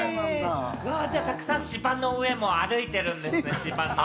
たくさん芝の上も歩いているんですね。